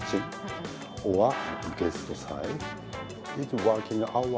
dulu mungkin pusing sekarang oke